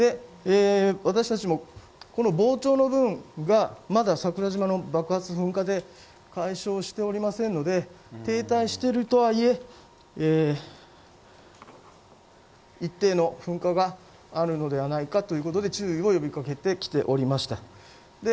私たちも膨脹の部分がまだ桜島の爆発噴火で解消しておりませんので停滞しているとはいえ一定の噴火があるのではないかということで注意を呼び掛けてきておりました。